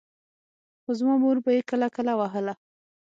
خو زما مور به يې کله کله وهله.